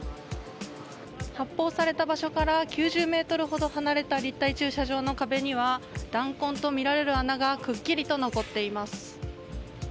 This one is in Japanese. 発砲された場所から９０ｍほど離れた立体駐車場の壁には弾痕とみられる穴がくっきりと残っています。